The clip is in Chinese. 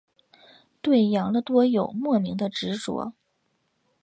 对养乐多有莫名的执着。